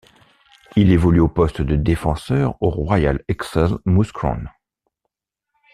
Il évolue au poste de défenseur au Royal Excel Mouscron.